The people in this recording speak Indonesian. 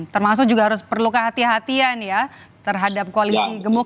termasuk juga harus perlu kehatian kehatian ya terhadap koalisi gemuk